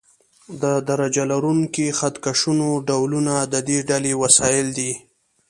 د درجه لرونکو خط کشونو ډولونه د دې ډلې وسایل دي.